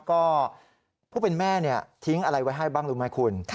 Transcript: ก็ผู้เป็นแม่ทิ้งอะไรไว้ให้บ้างรู้ไหมคุณ